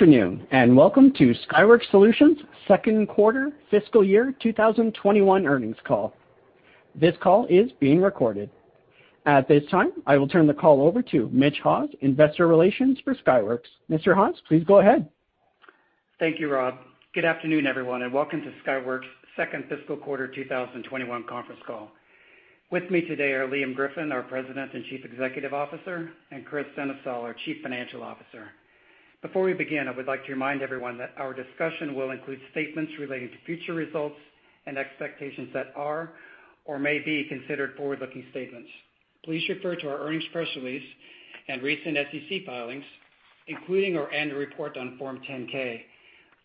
Afternoon, welcome to Skyworks Solutions' second quarter fiscal year 2021 earnings call. This call is being recorded. At this time, I will turn the call over to Mitch Haws, investor relations for Skyworks. Mr. Haws, please go ahead. Thank you, Rob. Good afternoon, everyone, and welcome to Skyworks' second fiscal quarter 2021 conference call. With me today are Liam Griffin, our President and Chief Executive Officer, and Kris Sennesael, our Chief Financial Officer. Before we begin, I would like to remind everyone that our discussion will include statements relating to future results and expectations that are or may be considered forward-looking statements. Please refer to our earnings press release and recent SEC filings, including our annual report on Form 10-K,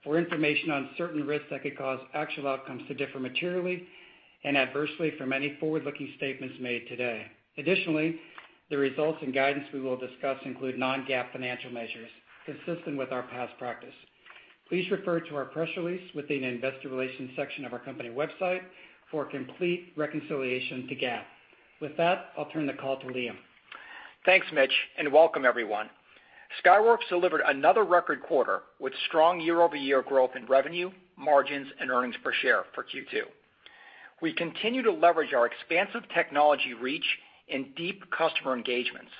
for information on certain risks that could cause actual outcomes to differ materially and adversely from any forward-looking statements made today. Additionally, the results and guidance we will discuss include non-GAAP financial measures consistent with our past practice. Please refer to our press release within the investor relations section of our company website for a complete reconciliation to GAAP. With that, I'll turn the call to Liam. Thanks, Mitch, and welcome everyone. Skyworks delivered another record quarter with strong year-over-year growth in revenue, margins, and earnings per share for Q2. We continue to leverage our expansive technology reach and deep customer engagements,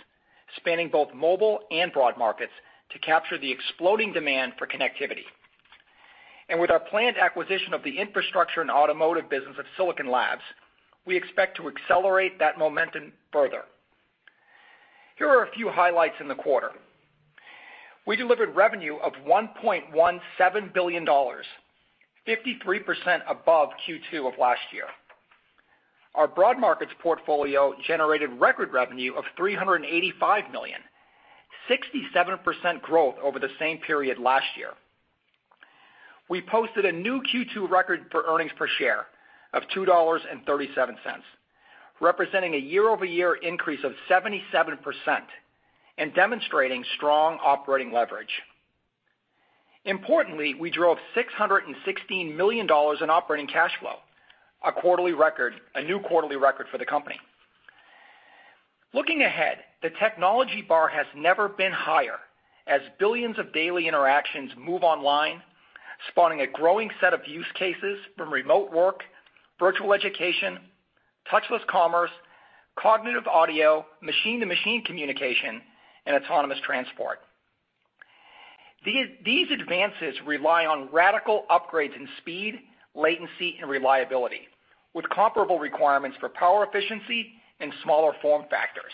spanning both mobile and broad markets, to capture the exploding demand for connectivity. With our planned acquisition of the infrastructure and automotive business of Silicon Labs, we expect to accelerate that momentum further. Here are a few highlights in the quarter. We delivered revenue of $1.17 billion, 53% above Q2 of last year. Our broad markets portfolio generated record revenue of $385 million, 67% growth over the same period last year. We posted a new Q2 record for earnings per share of $2.37, representing a year-over-year increase of 77% and demonstrating strong operating leverage. Importantly, we drove $616 million in operating cash flow, a new quarterly record for the company. Looking ahead, the technology bar has never been higher, as billions of daily interactions move online, spawning a growing set of use cases from remote work, virtual education, touchless commerce, cognitive audio, machine-to-machine communication, and autonomous transport. These advances rely on radical upgrades in speed, latency, and reliability with comparable requirements for power efficiency and smaller form factors.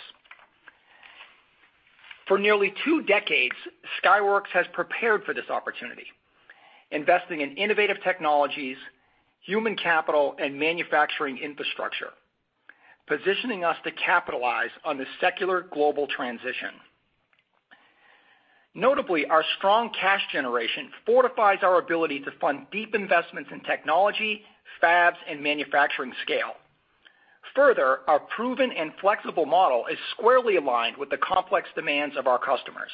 For nearly two decades, Skyworks has prepared for this opportunity, investing in innovative technologies, human capital, and manufacturing infrastructure, positioning us to capitalize on this secular global transition. Notably, our strong cash generation fortifies our ability to fund deep investments in technology, fabs, and manufacturing scale. Further, our proven and flexible model is squarely aligned with the complex demands of our customers.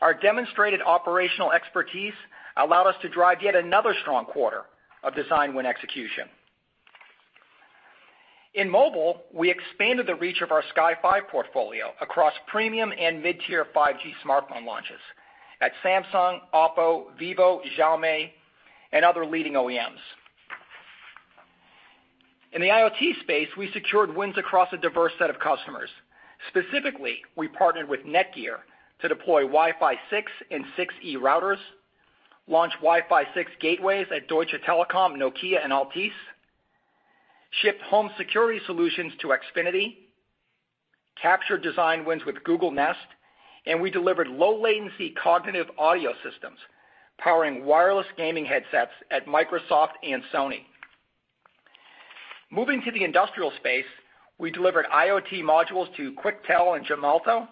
Our demonstrated operational expertise allowed us to drive yet another strong quarter of design win execution. In mobile, we expanded the reach of our Sky5 portfolio across premium and mid-tier 5G smartphone launches at Samsung, Oppo, Vivo, Xiaomi, and other leading OEMs. In the IoT space, we secured wins across a diverse set of customers. Specifically, we partnered with Netgear to deploy Wi-Fi 6 and 6E routers, launch Wi-Fi 6 gateways at Deutsche Telekom, Nokia, and Altice, ship home security solutions to Xfinity, capture design wins with Google Nest, and we delivered low latency cognitive audio systems powering wireless gaming headsets at Microsoft and Sony. Moving to the industrial space, we delivered IoT modules to Quectel and Gemalto.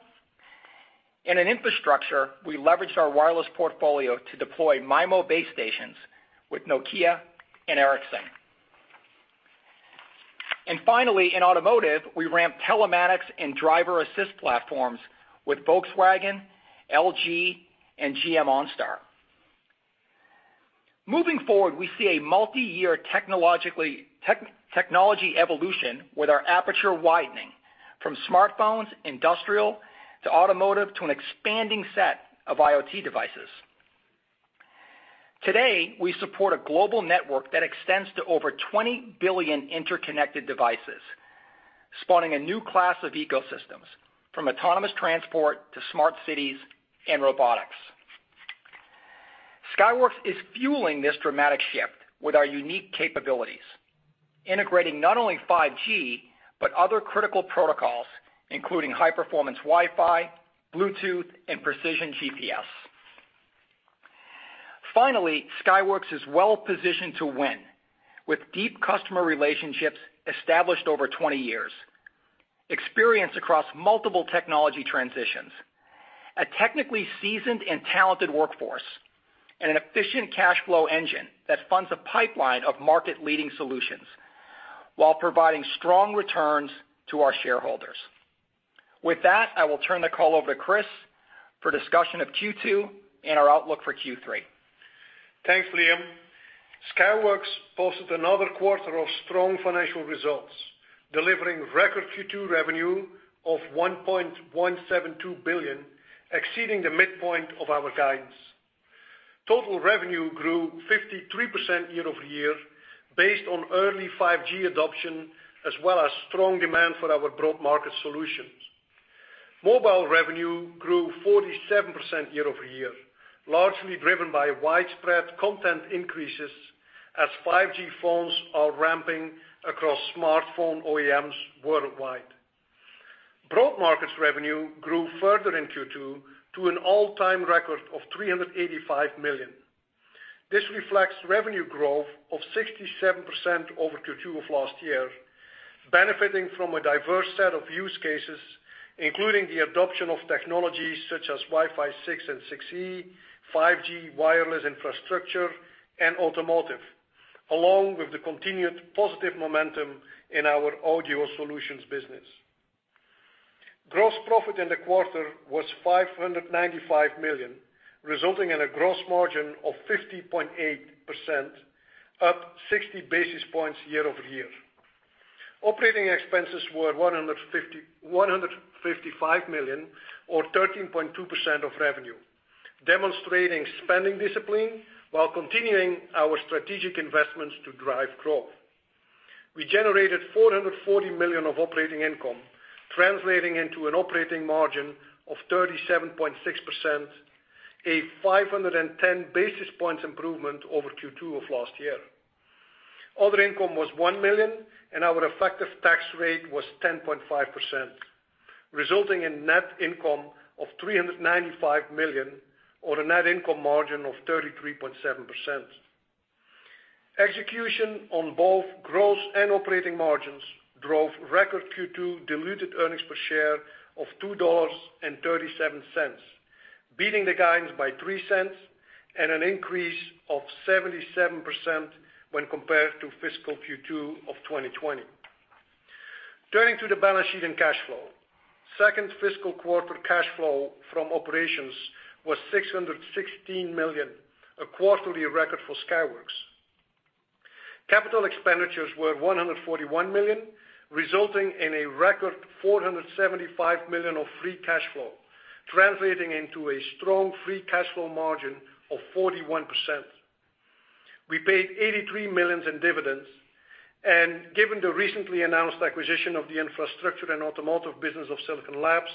In infrastructure, we leveraged our wireless portfolio to deploy MIMO base stations with Nokia and Ericsson. Finally, in automotive, we ramped telematics and driver assist platforms with Volkswagen, LG, and GM OnStar. Moving forward, we see a multiyear technology evolution with our aperture widening from smartphones, industrial, to automotive, to an expanding set of IoT devices. Today, we support a global network that extends to over 20 billion interconnected devices, spawning a new class of ecosystems from autonomous transport to smart cities and robotics. Skyworks is fueling this dramatic shift with our unique capabilities, integrating not only 5G, but other critical protocols, including high-performance Wi-Fi, Bluetooth, and precision GPS. Finally, Skyworks is well-positioned to win, with deep customer relationships established over 20 years, experience across multiple technology transitions, a technically seasoned and talented workforce, and an efficient cash flow engine that funds a pipeline of market-leading solutions while providing strong returns to our shareholders. With that, I will turn the call over to Kris for discussion of Q2 and our outlook for Q3. Thanks, Liam. Skyworks posted another quarter of strong financial results, delivering record Q2 revenue of $1.172 billion, exceeding the midpoint of our guidance. Total revenue grew 53% year-over-year based on early 5G adoption, as well as strong demand for our broad market solutions. Mobile revenue grew 47% year-over-year, largely driven by widespread content increases as 5G phones are ramping across smartphone OEMs worldwide. Broad markets revenue grew further in Q2 to an all-time record of $385 million. This reflects revenue growth of 67% over Q2 of last year, benefiting from a diverse set of use cases, including the adoption of technologies such as Wi-Fi 6 and 6E, 5G wireless infrastructure, and automotive, along with the continued positive momentum in our audio solutions business. Gross profit in the quarter was $595 million, resulting in a gross margin of 50.8%, up 60 basis points year-over-year. Operating expenses were $155 million or 13.2% of revenue, demonstrating spending discipline while continuing our strategic investments to drive growth. We generated $440 million of operating income, translating into an operating margin of 37.6%, a 510 basis points improvement over Q2 of last year. Our effective tax rate was 10.5%, resulting in net income of $395 million or a net income margin of 33.7%. Execution on both gross and operating margins drove record Q2 diluted earnings per share of $2.37, beating the guidance by $0.03 and an increase of 77% when compared to fiscal Q2 of 2020. Turning to the balance sheet and cash flow. Second fiscal quarter cash flow from operations was $616 million, a quarterly record for Skyworks. Capital expenditures were $141 million, resulting in a record $475 million of free cash flow, translating into a strong free cash flow margin of 41%. We paid $83 million in dividends. Given the recently announced acquisition of the Infrastructure & Automotive business of Silicon Labs,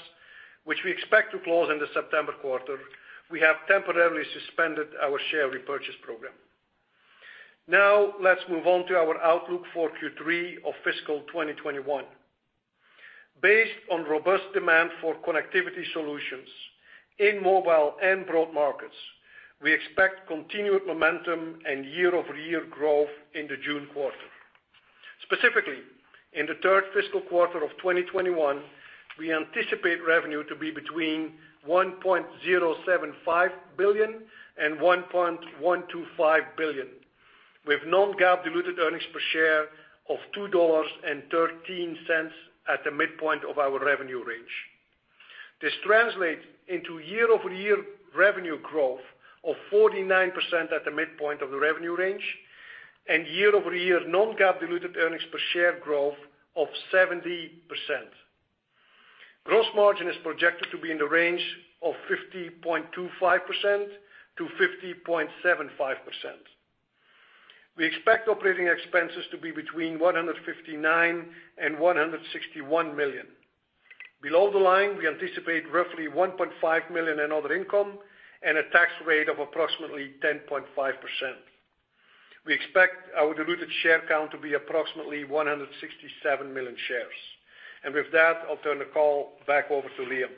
which we expect to close in the September quarter, we have temporarily suspended our share repurchase program. Let's move on to our outlook for Q3 of fiscal 2021. Based on robust demand for connectivity solutions in mobile and broad markets, we expect continued momentum and year-over-year growth in the June quarter. Specifically, in the third fiscal quarter of 2021, we anticipate revenue to be between $1.075 billion and $1.125 billion, with non-GAAP diluted earnings per share of $2.13 at the midpoint of our revenue range. This translates into year-over-year revenue growth of 49% at the midpoint of the revenue range and year-over-year non-GAAP diluted earnings per share growth of 70%. Gross margin is projected to be in the range of 50.25%-50.75%. We expect operating expenses to be between $159 million and $161 million. Below the line, we anticipate roughly $1.5 million in other income and a tax rate of approximately 10.5%. We expect our diluted share count to be approximately 167 million shares. With that, I'll turn the call back over to Liam.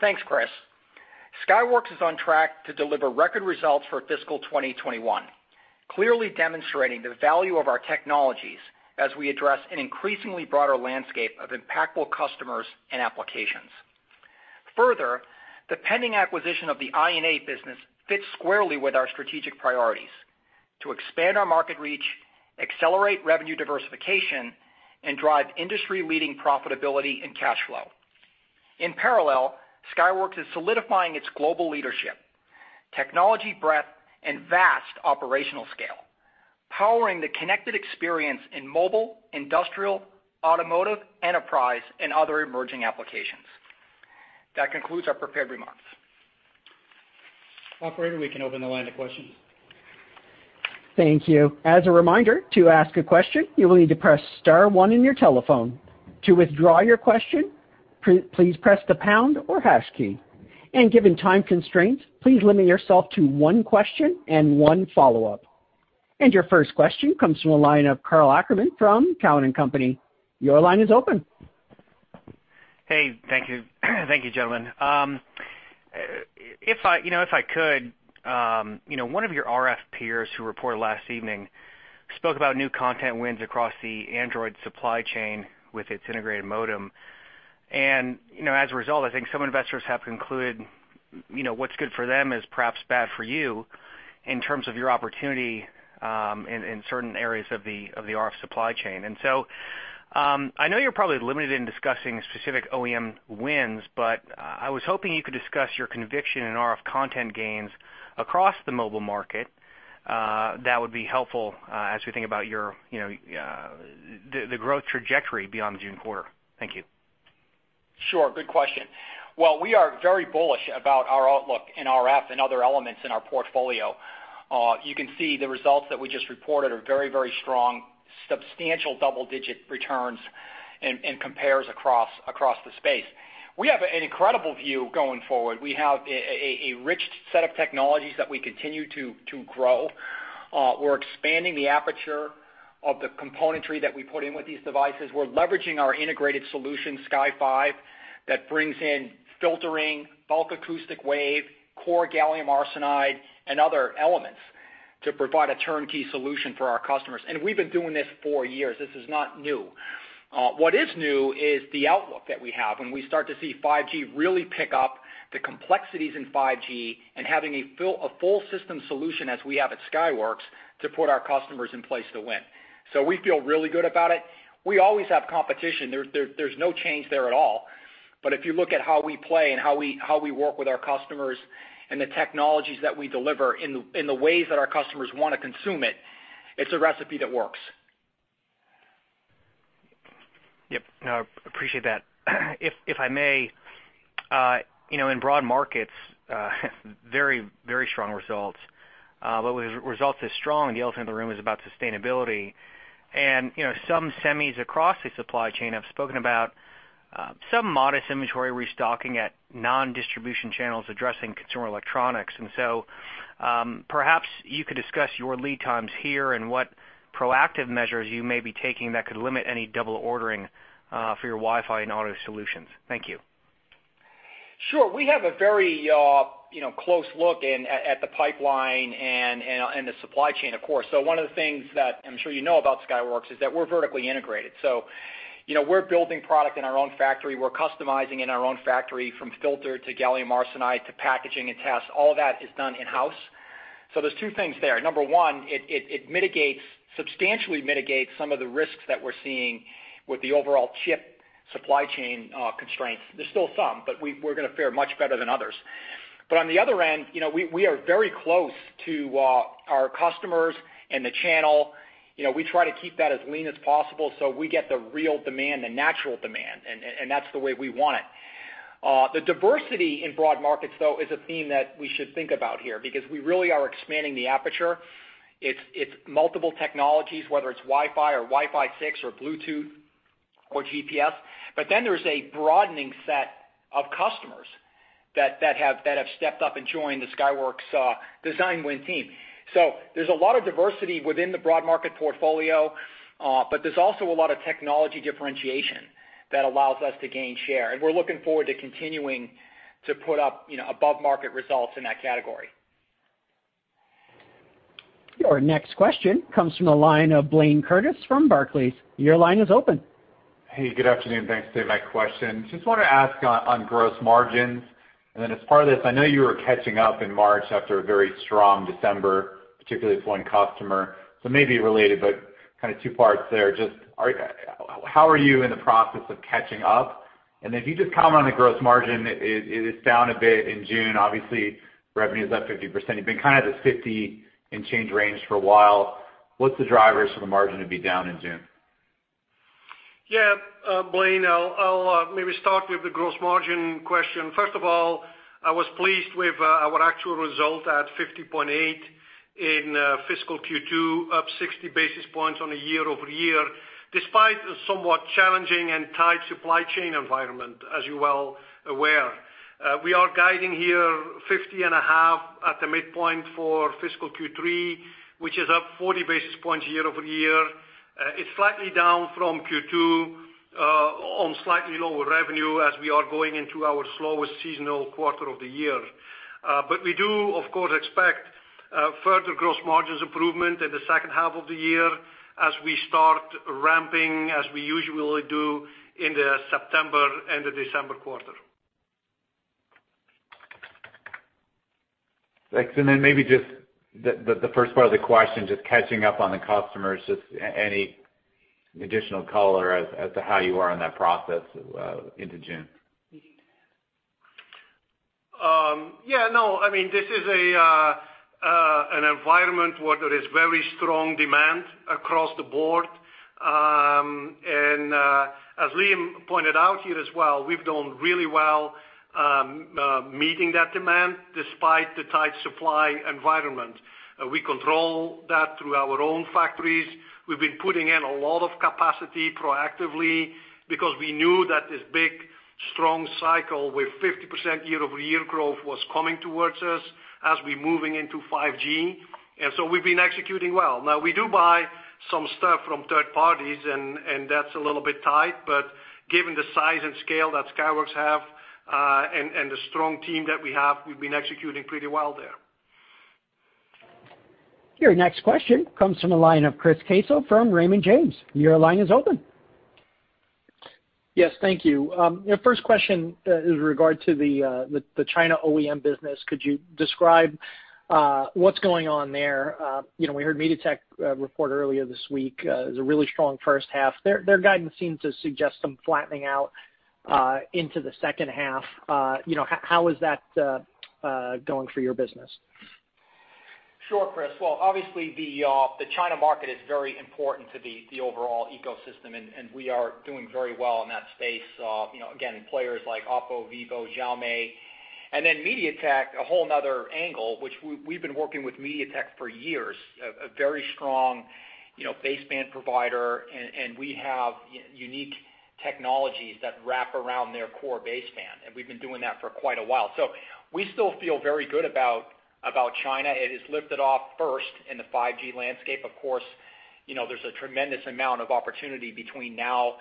Thanks, Kris. Skyworks is on track to deliver record results for fiscal 2021, clearly demonstrating the value of our technologies as we address an increasingly broader landscape of impactful customers and applications. Further, the pending acquisition of the I&A business fits squarely with our strategic priorities to expand our market reach, accelerate revenue diversification, and drive industry-leading profitability and cash flow. In parallel, Skyworks is solidifying its global leadership, technology breadth, and vast operational scale, powering the connected experience in mobile, industrial, automotive, enterprise, and other emerging applications. That concludes our prepared remarks. Operator, we can open the line to questions. Thank you. As a reminder, to ask a question, you will need to press star one on your telephone. To withdraw your question, please press the pound or hash key. Given time constraints, please limit yourself to one question and one follow-up. Your first question comes from the line of Karl Ackerman from Cowen and Company. Your line is open. Hey. Thank you. Thank you, gentlemen. If I could, one of your RF peers who reported last evening spoke about new content wins across the Android supply chain with its integrated modem. As a result, I think some investors have concluded what's good for them is perhaps bad for you in terms of your opportunity in certain areas of the RF supply chain. I know you're probably limited in discussing specific OEM wins, but I was hoping you could discuss your conviction in RF content gains across the mobile market. That would be helpful as we think about the growth trajectory beyond the June quarter. Thank you. Sure. Good question. Well, we are very bullish about our outlook in RF and other elements in our portfolio. You can see the results that we just reported are very strong, substantial double-digit returns and compares across the space. We have an incredible view going forward. We have a rich set of technologies that we continue to grow. We're expanding the aperture of the componentry that we put in with these devices. We're leveraging our integrated solution, Sky5, that brings in filtering, bulk acoustic wave, core gallium arsenide, and other elements to provide a turnkey solution for our customers. We've been doing this for years. This is not new. What is new is the outlook that we have when we start to see 5G really pick up, the complexities in 5G, and having a full system solution as we have at Skyworks to put our customers in place to win. We feel really good about it. We always have competition. There's no change there at all. If you look at how we play and how we work with our customers and the technologies that we deliver in the ways that our customers want to consume it's a recipe that works. Yep. No, appreciate that. If I may, in broad markets, very strong results. With results this strong, the elephant in the room is about sustainability. Some semis across the supply chain have spoken about some modest inventory restocking at non-distribution channels addressing consumer electronics. Perhaps you could discuss your lead times here and what proactive measures you may be taking that could limit any double ordering for your Wi-Fi and auto solutions. Thank you. Sure. We have a very close look in at the pipeline and the supply chain, of course. One of the things that I'm sure you know about Skyworks is that we're vertically integrated. We're building product in our own factory. We're customizing in our own factory from filter to gallium arsenide to packaging and test. All that is done in-house. There's two things there. Number one, it substantially mitigates some of the risks that we're seeing with the overall chip supply chain constraints. There's still some, but we're going to fare much better than others. On the other end, we are very close to our customers and the channel. We try to keep that as lean as possible so we get the real demand, the natural demand, and that's the way we want it. The diversity in broad markets, though, is a theme that we should think about here because we really are expanding the aperture. It's multiple technologies, whether it's Wi-Fi or Wi-Fi 6 or Bluetooth or GPS. There's a broadening set of customers that have stepped up and joined the Skyworks Design Win team. There's a lot of diversity within the broad market portfolio. There's also a lot of technology differentiation that allows us to gain share. We're looking forward to continuing to put up above-market results in that category. Your next question comes from the line of Blayne Curtis from Barclays. Your line is open. Hey, good afternoon. Thanks. Save my question. Just want to ask on gross margins. As part of this, I know you were catching up in March after a very strong December, particularly with one customer. Maybe related, but kind of two parts there. Just how are you in the process of catching up? Can you just comment on the gross margin? It is down a bit in June. Obviously, revenue's up 50%. You've been kind of the 50 and change range for a while. What's the drivers for the margin to be down in June? Yeah. Blayne, I'll maybe start with the gross margin question. First of all, I was pleased with our actual result at 50.8% in fiscal Q2, up 60 basis points on a year-over-year, despite the somewhat challenging and tight supply chain environment, as you're well aware. We are guiding here 50.5% at the midpoint for fiscal Q3, which is up 40 basis points year-over-year. It's slightly down from Q2, on slightly lower revenue as we are going into our slowest seasonal quarter of the year. We do, of course, expect further gross margins improvement in the second half of the year as we start ramping, as we usually do in the September and the December quarter. Thanks. Maybe just the first part of the question, just catching up on the customers, just any additional color as to how you are on that process into June? No, this is an environment where there is very strong demand across the board. As Liam pointed out here as well, we've done really well meeting that demand despite the tight supply environment. We control that through our own factories. We've been putting in a lot of capacity proactively because we knew that this big strong cycle with 50% year-over-year growth was coming towards us as we're moving into 5G. We've been executing well. Now we do buy some stuff from third parties and that's a little bit tight, but given the size and scale that Skyworks have, and the strong team that we have, we've been executing pretty well there. Your next question comes from the line of Chris Caso from Raymond James. Your line is open. Yes. Thank you. First question is in regard to the China OEM business. Could you describe what's going on there? We heard MediaTek report earlier this week. It was a really strong first half. Their guidance seems to suggest some flattening out into the second half. How is that going for your business? Sure, Chris. Well, obviously the China market is very important to the overall ecosystem, and we are doing very well in that space. Again, players like Oppo, Vivo, Xiaomi, and then MediaTek, a whole another angle, which we've been working with MediaTek for years. A very strong baseband provider. We have unique technologies that wrap around their core baseband. We've been doing that for quite a while. We still feel very good about China. It has lifted off first in the 5G landscape. Of course, there's a tremendous amount of opportunity between now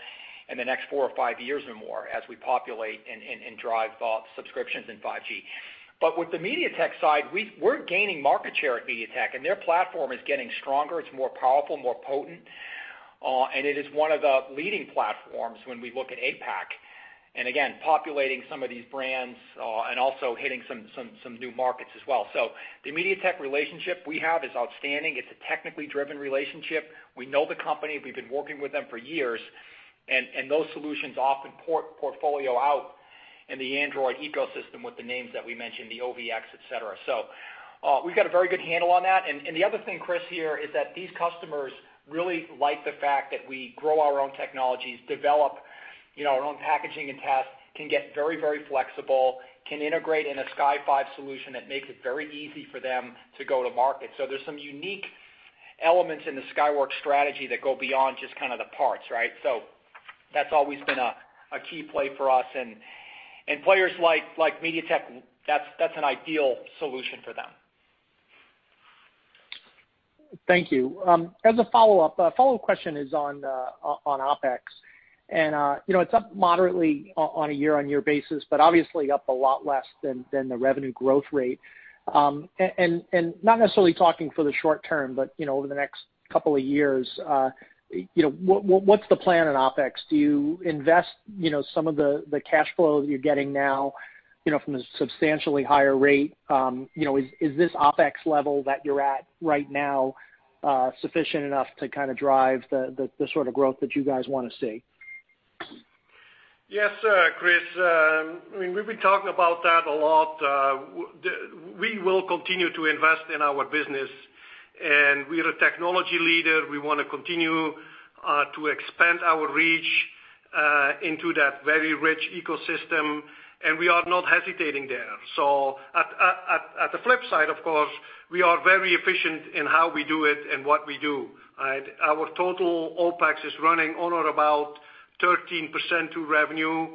and the next four or five years or more as we populate and drive subscriptions in 5G. With the MediaTek side, we're gaining market share at MediaTek. Their platform is getting stronger. It's more powerful, more potent, and it is one of the leading platforms when we look at APAC. Again, populating some of these brands, and also hitting some new markets as well. The MediaTek relationship we have is outstanding. It's a technically driven relationship. We know the company, we've been working with them for years, and those solutions often portfolio out in the Android ecosystem with the names that we mentioned, the OVX, et cetera. We've got a very good handle on that. The other thing, Chris, here, is that these customers really like the fact that we grow our own technologies, develop our own packaging and test, can get very flexible, can integrate in a Sky5 solution that makes it very easy for them to go to market. There's some unique elements in the Skyworks strategy that go beyond just kind of the parts, right? That's always been a key play for us and players like MediaTek, that's an ideal solution for them. Thank you. As a follow-up, a follow question is on OpEx, it's up moderately on a year-over-year basis, but obviously up a lot less than the revenue growth rate. Not necessarily talking for the short-term, but over the next couple of years, what's the plan on OpEx? Do you invest some of the cash flow that you're getting now from the substantially higher rate? Is this OpEx level that you're at right now sufficient enough to kind of drive the sort of growth that you guys want to see? Yes, Chris. We've been talking about that a lot. We will continue to invest in our business. We're a technology leader. We want to continue to expand our reach into that very rich ecosystem. We are not hesitating there. At the flip side, of course, we are very efficient in how we do it and what we do, right? Our total OpEx is running on or about 13% to revenue.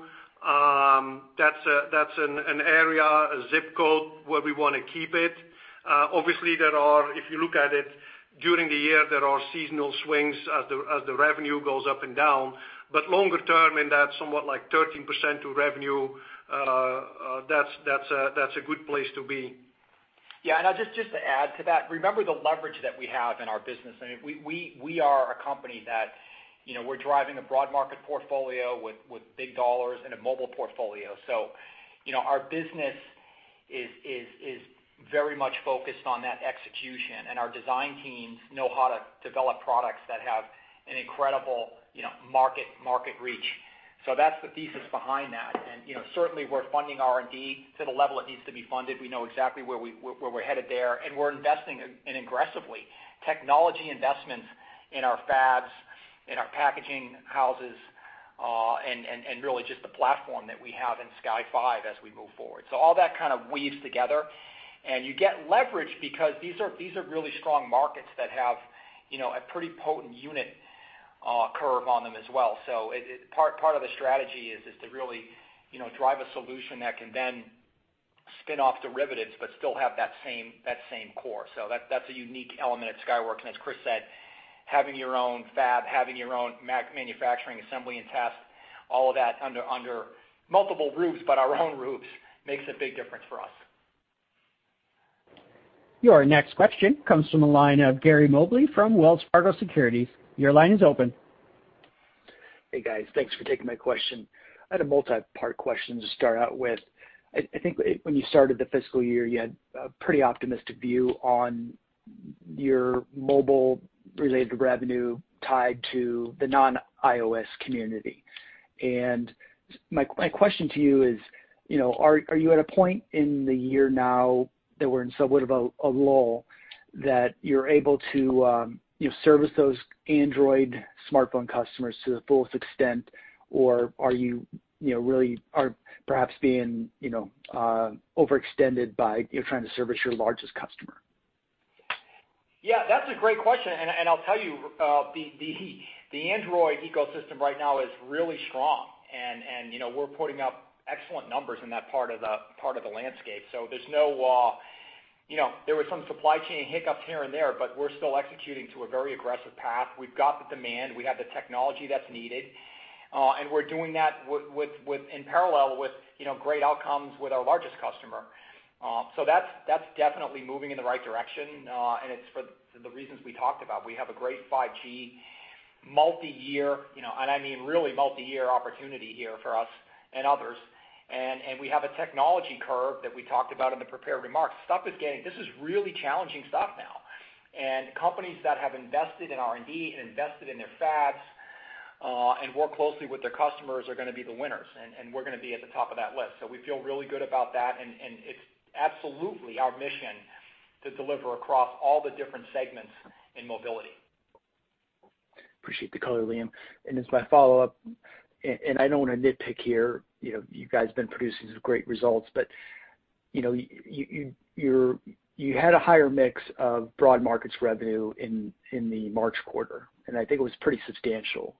That's an area, a zip code where we want to keep it. Obviously, if you look at it during the year, there are seasonal swings as the revenue goes up and down. Longer-term in that somewhat like 13% to revenue, that's a good place to be. Just to add to that, remember the leverage that we have in our business. We are a company that we're driving a broad market portfolio with big dollars in a mobile portfolio. Our business is very much focused on that execution, and our design teams know how to develop products that have an incredible market reach. That's the thesis behind that. Certainly, we're funding R&D to the level it needs to be funded. We know exactly where we're headed there, and we're investing in aggressively technology investments in our fabs, in our packaging houses, and really just the platform that we have in Sky5 as we move forward. All that kind of weaves together and you get leverage because these are really strong markets that have a pretty potent unit curve on them as well. Part of the strategy is to really drive a solution that can then spin off derivatives, but still have that same core. That's a unique element at Skyworks, and as Kris said, having your own fab, having your own manufacturing, assembly, and test, all of that under multiple roofs, but our own roofs, makes a big difference for us. Your next question comes from the line of Gary Mobley from Wells Fargo Securities. Your line is open. Hey, guys. Thanks for taking my question. I had a multi-part question to start out with. I think when you started the fiscal year, you had a pretty optimistic view on your mobile-related revenue tied to the non-iOS community. My question to you is, are you at a point in the year now that we're in somewhat of a lull that you're able to service those Android smartphone customers to the fullest extent, or are you perhaps being overextended by trying to service your largest customer? Yeah, that's a great question. I'll tell you, the Android ecosystem right now is really strong, and we're putting up excellent numbers in that part of the landscape. There was some supply chain hiccups here and there, but we're still executing to a very aggressive path. We've got the demand, we have the technology that's needed, and we're doing that in parallel with great outcomes with our largest customer. That's definitely moving in the right direction, and it's for the reasons we talked about. We have a great 5G multi-year, I mean really multi-year opportunity here for us and others. We have a technology curve that we talked about in the prepared remarks. This is really challenging stuff now, companies that have invested in R&D and invested in their fabs, and work closely with their customers are going to be the winners, and we're going to be at the top of that list. We feel really good about that, and it's absolutely our mission to deliver across all the different segments in mobility. Appreciate the color, Liam. As my follow-up, and I don't want to nitpick here. You guys have been producing some great results, but you had a higher mix of broad markets revenue in the March quarter, and I think it was pretty substantial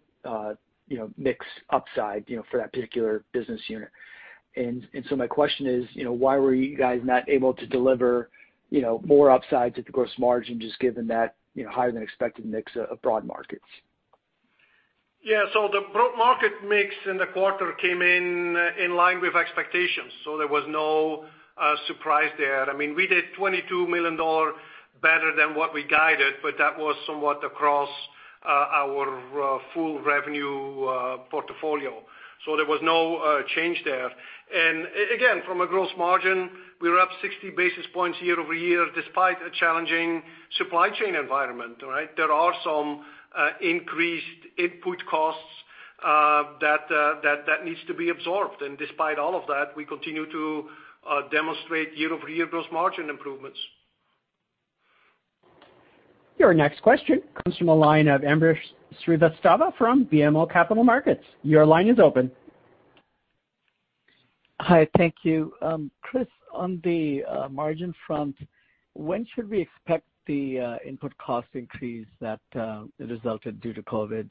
mix upside for that particular business unit. My question is, why were you guys not able to deliver more upside to the Gross Margin, just given that higher-than-expected mix of broad markets? The broad market mix in the quarter came in line with expectations, there was no surprise there. We did $22 million better than what we guided, that was somewhat across our full revenue portfolio. There was no change there. Again, from a gross margin, we're up 60 basis points year-over-year, despite a challenging supply chain environment, right? There are some increased input costs that needs to be absorbed, despite all of that, we continue to demonstrate year-over-year gross margin improvements. Your next question comes from the line of Ambrish Srivastava from BMO Capital Markets. Your line is open. Hi. Thank you. Chris, on the margin front, when should we expect the input cost increase that resulted due to COVID?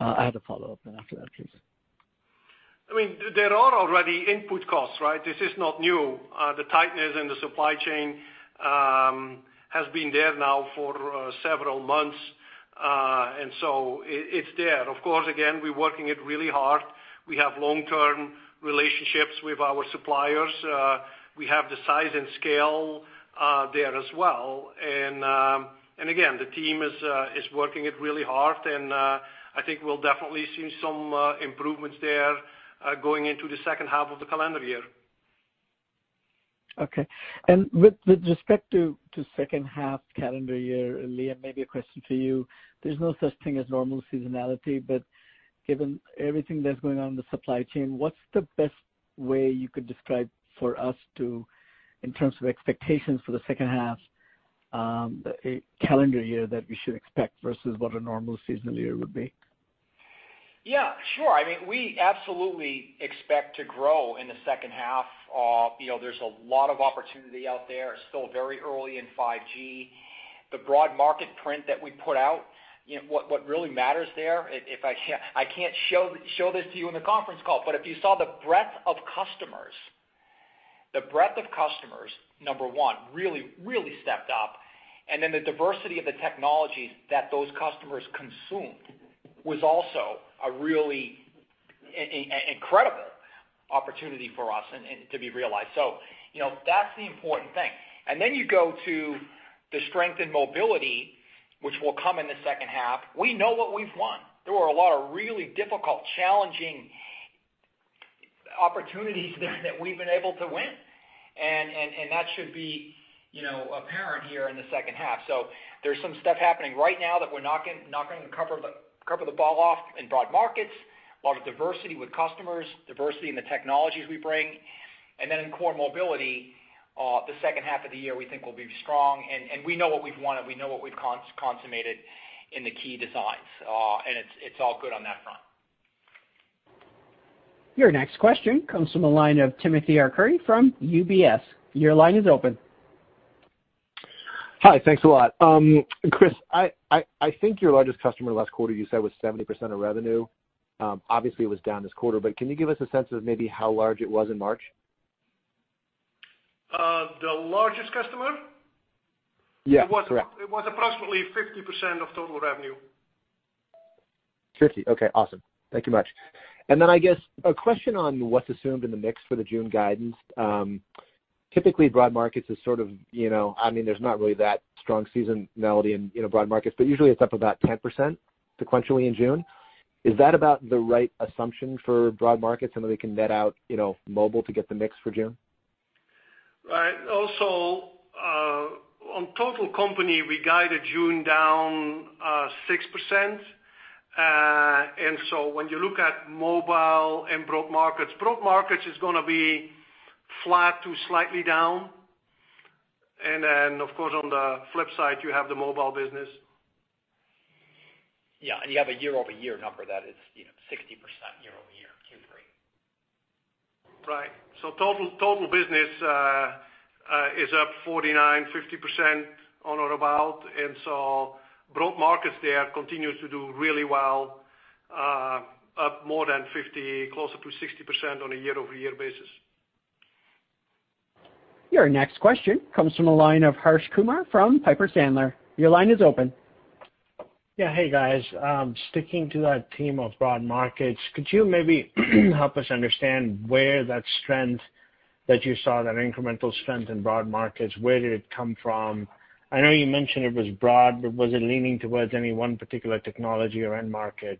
I had a follow-up after that, please. There are already input costs, right? This is not new. The tightness in the supply chain has been there now for several months. It's there. Of course, again, we're working it really hard. We have long-term relationships with our suppliers. We have the size and scale there as well. Again, the team is working it really hard. I think we'll definitely see some improvements there going into the second half of the calendar year. Okay. With respect to second half calendar year, Liam, maybe a question for you. There's no such thing as normal seasonality, but given everything that's going on in the supply chain, what's the best way you could describe for us to, in terms of expectations for the second half calendar year that we should expect versus what a normal seasonal year would be? Sure. We absolutely expect to grow in the second half. There's a lot of opportunity out there, still very early in 5G. The broad market print that we put out, what really matters there, I can't show this to you in the conference call, but if you saw the breadth of customers, number one, really stepped up, and then the diversity of the technologies that those customers consumed was also a really incredible opportunity for us to be realized. That's the important thing. You go to the strength in mobility, which will come in the second half. We know what we've won. There were a lot of really difficult, challenging opportunities there that we've been able to win, and that should be apparent here in the second half. There's some stuff happening right now that we're not going to cover the ball off in broad markets, a lot of diversity with customers, diversity in the technologies we bring, and then in core mobility, the second half of the year we think will be strong, and we know what we've won, and we know what we've consummated in the key designs. It's all good on that front. Your next question comes from the line of Timothy Arcuri from UBS. Your line is open. Hi. Thanks a lot. Kris, I think your largest customer last quarter, you said, was 70% of revenue. Obviously, it was down this quarter, can you give us a sense of maybe how large it was in March? The largest customer? Yeah, correct. It was approximately 50% of total revenue. 50, okay, awesome. Thank you much. Then I guess a question on what's assumed in the mix for the June guidance. Typically, broad markets is sort of, there's not really that strong seasonality in broad markets, but usually it's up about 10% sequentially in June. Is that about the right assumption for broad markets, and then we can net out mobile to get the mix for June? Right. Also, on total company, we guided June down 6%. When you look at mobile and broad markets, broad markets is going to be flat to slightly down. Of course, on the flip side, you have the mobile business. Yeah. You have a year-over-year number that is 60% year-over-year, Q3. Right. Total business is up 49, 50% on or about. Broad markets there continues to do really well, up more than 50%, closer to 60% on a year-over-year basis. Your next question comes from the line of Harsh Kumar from Piper Sandler. Your line is open. Yeah. Hey, guys. Sticking to that theme of broad markets, could you maybe help us understand where that strength? That you saw that incremental strength in broad markets, where did it come from? I know you mentioned it was broad, was it leaning towards any one particular technology or end market?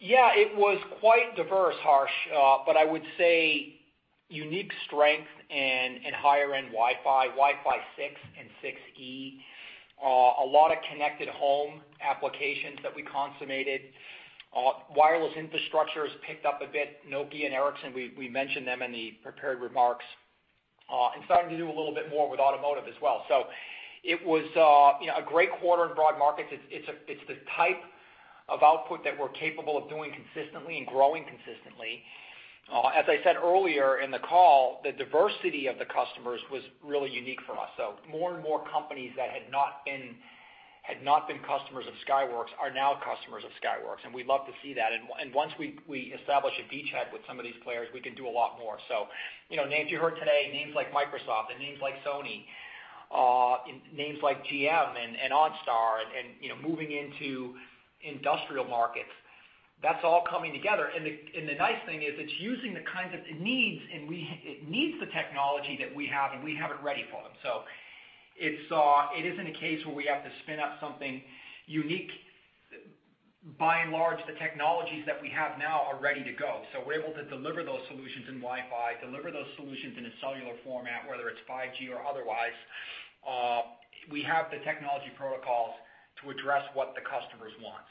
Yeah, it was quite diverse, Harsh. I would say unique strength in higher-end Wi-Fi, Wi-Fi 6 and 6E. A lot of connected home applications that we consummated. Wireless infrastructures picked up a bit. Nokia and Ericsson, we mentioned them in the prepared remarks. Starting to do a little bit more with automotive as well. It was a great quarter in broad markets. It's the type of output that we're capable of doing consistently and growing consistently. As I said earlier in the call, the diversity of the customers was really unique for us. More and more companies that had not been customers of Skyworks are now customers of Skyworks, and we love to see that. Once we establish a beachhead with some of these players, we can do a lot more. Names you heard today, names like Microsoft and names like Sony, names like GM and OnStar and moving into industrial markets. That's all coming together, and the nice thing is it's using the kinds of-- it needs the technology that we have, and we have it ready for them. It isn't a case where we have to spin up something unique. By and large, the technologies that we have now are ready to go. We're able to deliver those solutions in Wi-Fi, deliver those solutions in a cellular format, whether it's 5G or otherwise. We have the technology protocols to address what the customers want.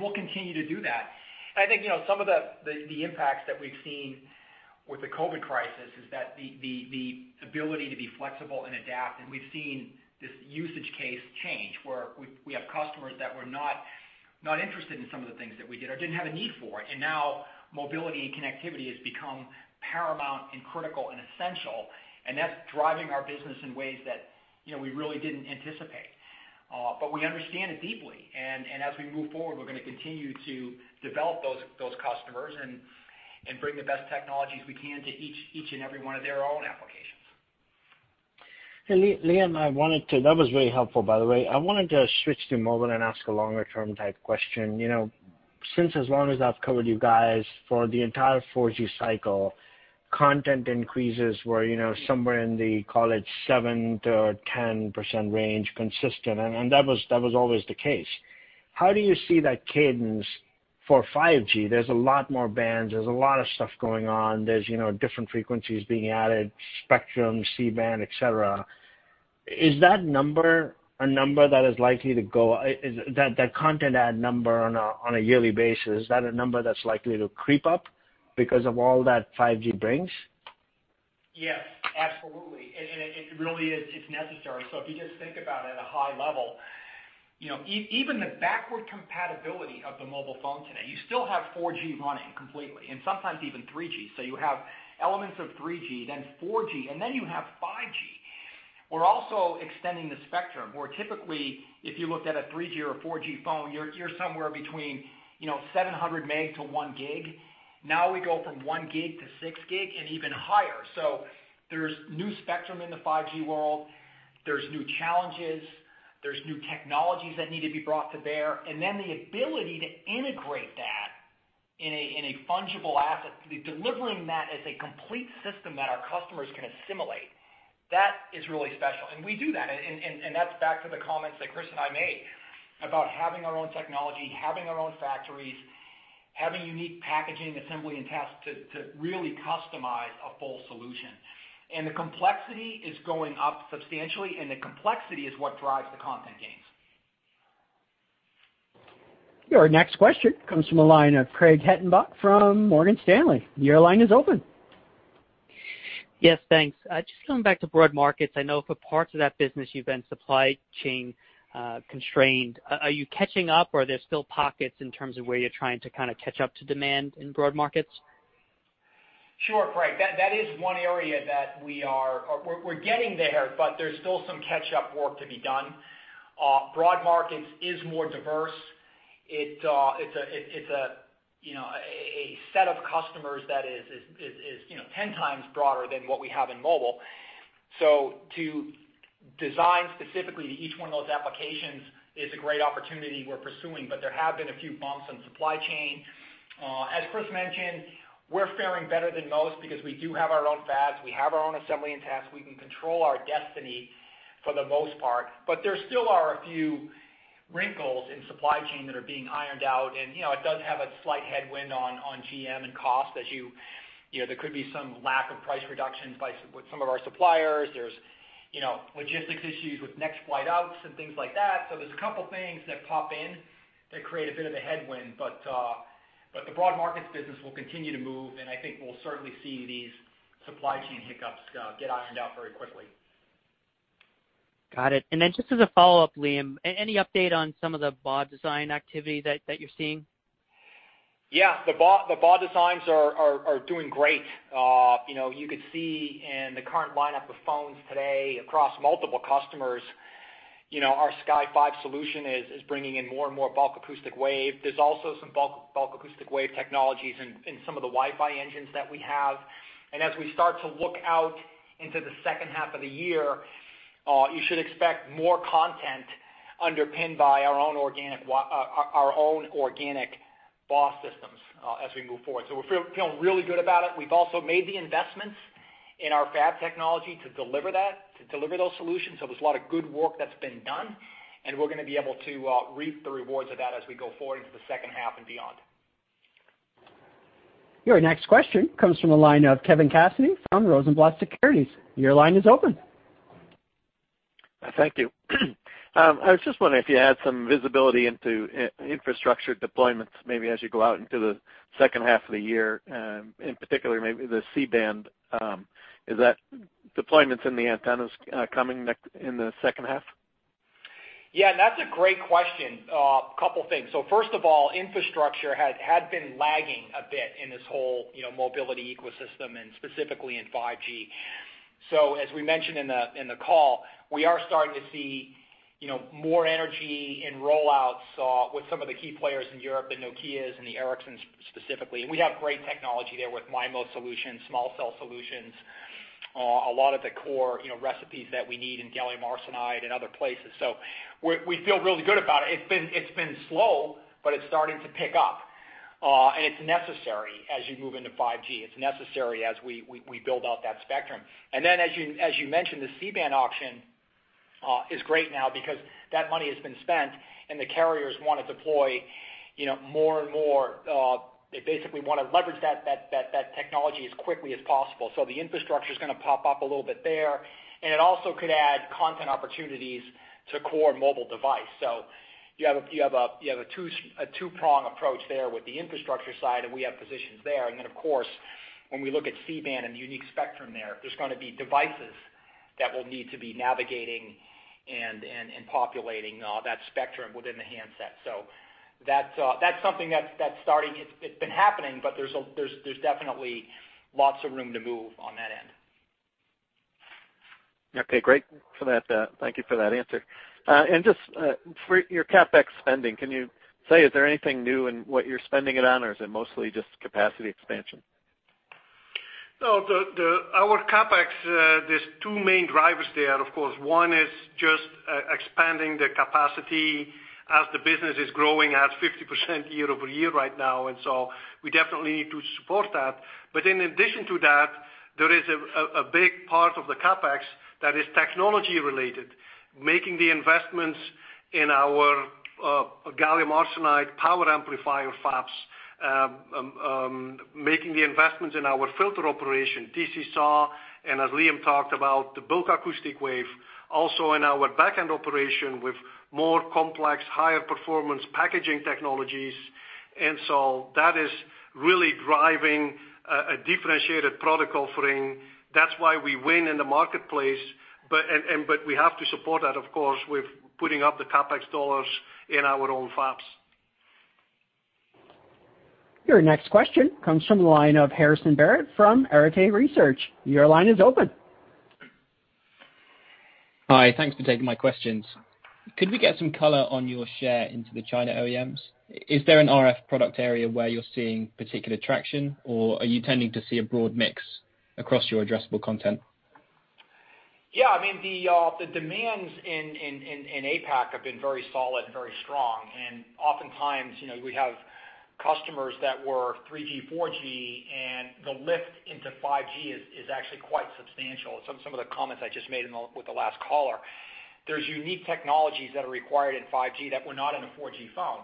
We'll continue to do that. I think, some of the impacts that we've seen with the COVID crisis is that the ability to be flexible and adapt. We've seen this usage case change, where we have customers that were not interested in some of the things that we did or didn't have a need for it. Now mobility and connectivity has become paramount and critical and essential. That's driving our business in ways that we really didn't anticipate. We understand it deeply. As we move forward, we're going to continue to develop those customers and bring the best technologies we can to each and every one of their own applications. Hey, Liam, that was very helpful, by the way. I wanted to switch to mobile and ask a longer-term type question. Since as long as I've covered you guys, for the entire 4G cycle, content increases were somewhere in the, call it, 7%-10% range consistent, and that was always the case. How do you see that cadence for 5G? There's a lot more bands. There's a lot of stuff going on. There's different frequencies being added, spectrum, C-band, et cetera. Is that number a number that is likely to That content add number on a yearly basis, is that a number that's likely to creep up because of all that 5G brings? Yes, absolutely. It really is, it's necessary. If you just think about at a high level, even the backward compatibility of the mobile phone today, you still have 4G running completely, and sometimes even 3G. You have elements of 3G, then 4G, and then you have 5G. We're also extending the spectrum, where typically if you looked at a 3G or a 4G phone, you're somewhere between 700 MHz to 1 GHz. Now we go from 1 GHz-6 GHz and even higher. There's new spectrum in the 5G world. There's new challenges. There's new technologies that need to be brought to bear, and then the ability to integrate that in a fungible asset, delivering that as a complete system that our customers can assimilate. That is really special. We do that. That's back to the comments that Kris and I made about having our own technology, having our own factories, having unique packaging, assembly, and test to really customize a full solution. The complexity is going up substantially, and the complexity is what drives the content gains. Our next question comes from the line of Craig Hettenbach from Morgan Stanley. Your line is open. Yes, thanks. Just going back to broad markets, I know for parts of that business, you've been supply chain constrained. Are you catching up or are there still pockets in terms of where you're trying to kind of catch up to demand in broad markets? Sure, Craig. That is one area that we're getting there, but there's still some catch-up work to be done. Broad markets is more diverse. It's a set of customers that is 10 times broader than what we have in mobile. To design specifically to each one of those applications is a great opportunity we're pursuing. There have been a few bumps in supply chain. As Kris mentioned, we're faring better than most because we do have our own fabs, we have our own assembly and tests. We can control our destiny for the most part. There still are a few wrinkles in supply chain that are being ironed out, and it does have a slight headwind on GM and cost. There could be some lack of price reductions with some of our suppliers. There's logistics issues with next flight outs and things like that. There's a couple things that pop in that create a bit of a headwind, but the broad markets business will continue to move, and I think we'll certainly see these supply chain hiccups get ironed out very quickly. Got it. Just as a follow-up, Liam, any update on some of the BAW design activity that you're seeing? Yeah. The BAW designs are doing great. You could see in the current lineup of phones today across multiple customers, our Sky5 solution is bringing in more and more bulk acoustic wave. There's also some bulk acoustic wave technologies in some of the Wi-Fi engines that we have. As we start to look out into the second half of the year. You should expect more content underpinned by our own organic BAW systems as we move forward. We're feeling really good about it. We've also made the investments in our fab technology to deliver those solutions. There's a lot of good work that's been done, and we're going to be able to reap the rewards of that as we go forward into the second half and beyond. Your next question comes from the line of Kevin Cassidy from Rosenblatt Securities. Your line is open. Thank you. I was just wondering if you had some visibility into infrastructure deployments, maybe as you go out into the second half of the year, in particular maybe the C-band. Is that deployments in the antennas coming in the second half? Yeah, that's a great question. A couple things. First of all, infrastructure had been lagging a bit in this whole mobility ecosystem and specifically in 5G. As we mentioned in the call, we are starting to see more energy in rollouts with some of the key players in Europe, the Nokia and the Ericsson specifically. We have great technology there with MIMO solutions, small cell solutions, a lot of the core recipes that we need in gallium arsenide and other places. We feel really good about it. It's been slow, but it's starting to pick up. It's necessary as you move into 5G. It's necessary as we build out that spectrum. As you mentioned, the C-band auction is great now because that money has been spent and the carriers want to deploy more and more. They basically want to leverage that technology as quickly as possible. The infrastructure's going to pop up a little bit there, and it also could add content opportunities to core mobile device. You have a two-prong approach there with the infrastructure side, and we have positions there. Of course, when we look at C-band and the unique spectrum there's going to be devices that will need to be navigating and populating that spectrum within the handset. That's something that's starting. It's been happening, but there's definitely lots of room to move on that end. Okay, great. Thank you for that answer. Just for your CapEx spending, can you say, is there anything new in what you're spending it on, or is it mostly just capacity expansion? Our CapEx, there's two main drivers there. Of course, one is just expanding the capacity as the business is growing at 50% year-over-year right now, we definitely need to support that. In addition to that, there is a big part of the CapEx that is technology related, making the investments in our gallium arsenide power amplifier fabs, making the investments in our filter operation, TC-SAW, and as Liam talked about, the bulk acoustic wave, also in our back-end operation with more complex, higher performance packaging technologies. That is really driving a differentiated product offering. That's why we win in the marketplace. We have to support that, of course, with putting up the CapEx dollars in our own fabs. Your next question comes from the line of Harrison Barrett from Arete Research. Your line is open. Hi. Thanks for taking my questions. Could we get some color on your share into the China OEMs? Is there an RF product area where you're seeing particular traction, or are you tending to see a broad mix across your addressable content? Yeah, the demands in APAC have been very solid and very strong, and oftentimes, we have customers that were 3G, 4G, and the lift into 5G is actually quite substantial. Some of the comments I just made with the last caller. There's unique technologies that are required in 5G that were not in a 4G phone.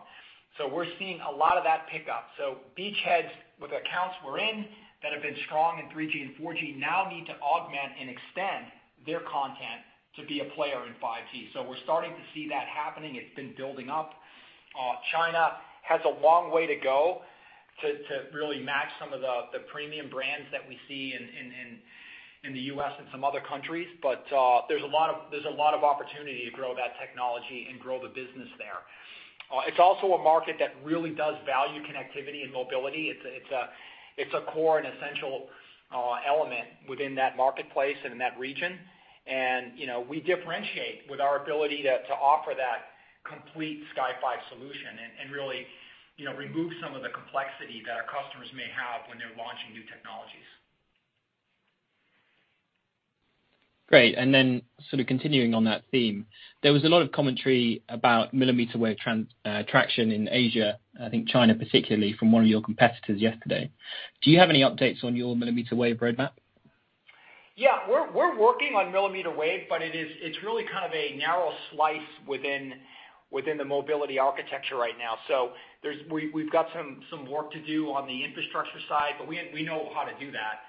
We're seeing a lot of that pickup. Beachheads with accounts we're in that have been strong in 3G and 4G now need to augment and extend their content to be a player in 5G. We're starting to see that happening. It's been building up. China has a long way to go to really match some of the premium brands that we see in the U.S. and some other countries. There's a lot of opportunity to grow that technology and grow the business there. It's also a market that really does value connectivity and mobility. It's a core and essential element within that marketplace and in that region. We differentiate with our ability to offer that complete Sky5 solution and really remove some of the complexity that our customers may have when they're launching new technologies. Great. Sort of continuing on that theme, there was a lot of commentary about millimeter-wave traction in Asia, I think China particularly, from one of your competitors yesterday. Do you have any updates on your millimeter-wave roadmap? Yeah, we're working on millimeter wave, but it's really kind of a narrow slice within the mobility architecture right now. We've got some work to do on the infrastructure side, but we know how to do that.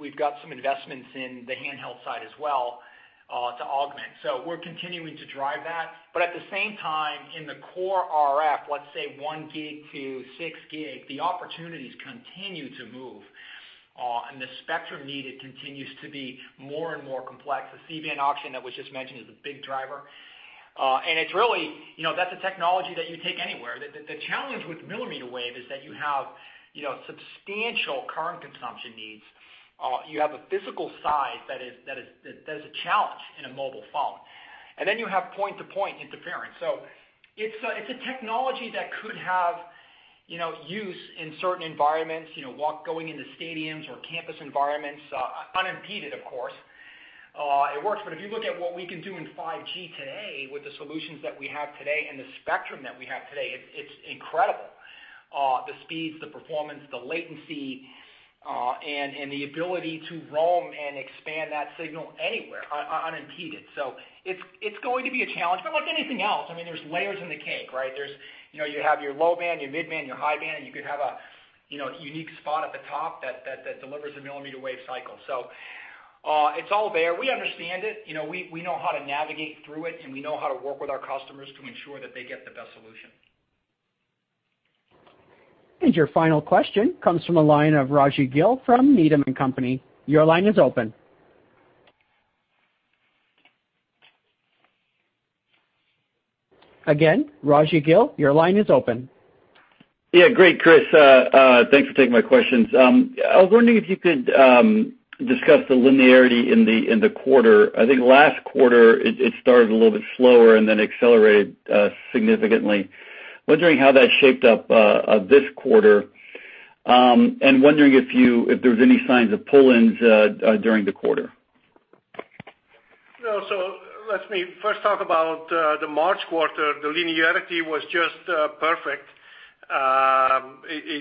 We've got some investments in the handheld side as well to augment. We're continuing to drive that. At the same time, in the core RF, let's say 1 GHz-6 GHz, the opportunities continue to move, and the spectrum needed continues to be more and more complex. The C-band auction that was just mentioned is a big driver. That's a technology that you take anywhere. The challenge with millimeter wave is that you have substantial current consumption needs. You have a physical size that is a challenge in a mobile phone. Then you have point-to-point interference. It's a technology that could have use in certain environments, going into stadiums or campus environments, unimpeded, of course. It works, but if you look at what we can do in 5G today with the solutions that we have today and the spectrum that we have today, it's incredible. The speeds, the performance, the latency, and the ability to roam and expand that signal anywhere, unimpeded. It's going to be a challenge, but like anything else, there's layers in the cake, right? You have your low band, your mid band, your high band, and you could have a unique spot at the top that delivers a millimeter wave cycle. It's all there. We understand it. We know how to navigate through it, and we know how to work with our customers to ensure that they get the best solution. Your final question comes from the line of Raji Gill from Needham & Company. Your line is open. Again, Raji Gill, your line is open. Yeah, great, Kris. Thanks for taking my questions. I was wondering if you could discuss the linearity in the quarter. I think last quarter, it started a little bit slower and then accelerated significantly. Wondering how that shaped up this quarter, and wondering if there's any signs of pull-ins during the quarter. Let me first talk about the March quarter. The linearity was just perfect.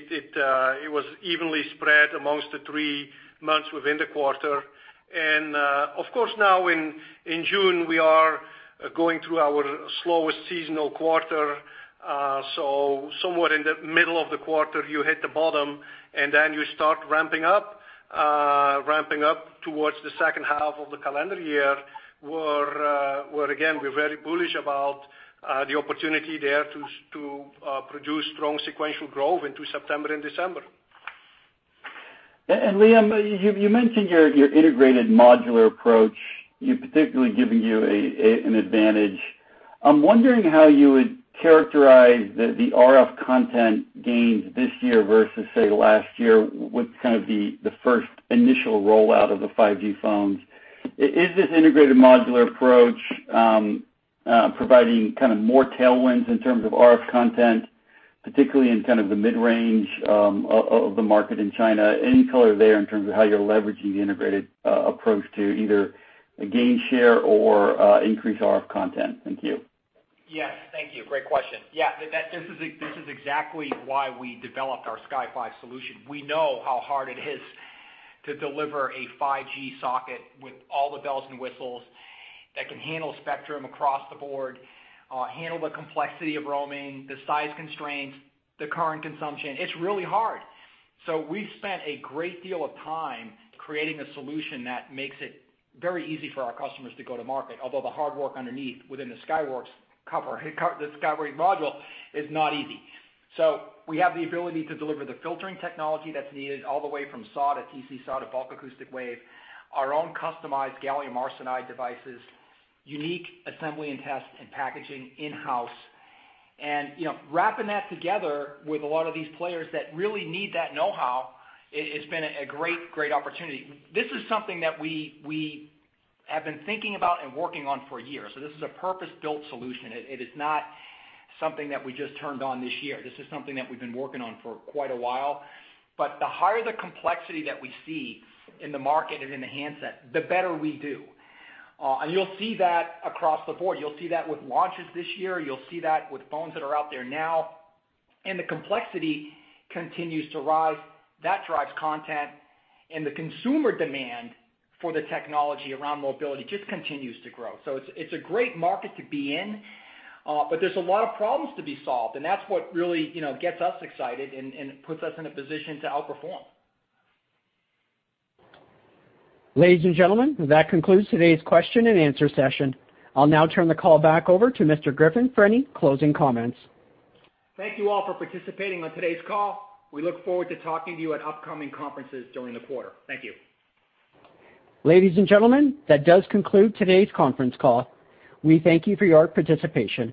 It was evenly spread amongst the three months within the quarter. Of course, now in June, we are going through our slowest seasonal quarter. Somewhere in the middle of the quarter, you hit the bottom and then you start ramping up towards the second half of the calendar year, where again, we're very bullish about the opportunity there to produce strong sequential growth into September and December Liam, you mentioned your integrated modular approach, particularly giving you an advantage. I'm wondering how you would characterize the RF content gains this year versus, say, last year with kind of the first initial rollout of the 5G phones. Is this integrated modular approach providing more tailwinds in terms of RF content, particularly in kind of the mid-range of the market in China? Any color there in terms of how you're leveraging the integrated approach to either gain share or increase RF content? Thank you. Yes. Thank you. Great question. Yeah, this is exactly why we developed our Sky5 solution. We know how hard it is to deliver a 5G socket with all the bells and whistles that can handle spectrum across the board, handle the complexity of roaming, the size constraints, the current consumption. It's really hard. We've spent a great deal of time creating a solution that makes it very easy for our customers to go to market. Although the hard work underneath within the Skyworks cover, the Skyworks module, is not easy. We have the ability to deliver the filtering technology that's needed all the way from SAW to TC-SAW to bulk acoustic wave, our own customized gallium arsenide devices, unique assembly and test and packaging in-house. Wrapping that together with a lot of these players that really need that know-how, it's been a great opportunity. This is something that we have been thinking about and working on for years. This is a purpose-built solution. It is not something that we just turned on this year. This is something that we've been working on for quite a while, but the higher the complexity that we see in the market and in the handset, the better we do. You'll see that across the board. You'll see that with launches this year. You'll see that with phones that are out there now. The complexity continues to rise. That drives content, and the consumer demand for the technology around mobility just continues to grow. It's a great market to be in, but there's a lot of problems to be solved, and that's what really gets us excited and puts us in a position to outperform. Ladies and gentlemen, that concludes today's question-and-answer session. I'll now turn the call back over to Mr. Griffin for any closing comments. Thank you all for participating on today's call. We look forward to talking to you at upcoming conferences during the quarter. Thank you. Ladies and gentlemen, that does conclude today's conference call. We thank you for your participation.